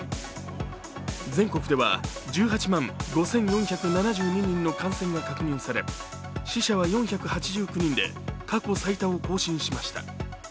全国では１８万５４７２人の感染が確認され、死者は４８９人で、過去最多を更新しました。